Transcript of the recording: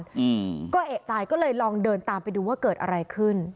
อืมก็เอกใจก็เลยลองเดินตามไปดูว่าเกิดอะไรขึ้น